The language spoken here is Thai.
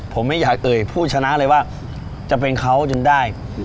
ผมไม่อยากเอ่ยผู้ชนะเลยว่าจะเป็นเขาจนได้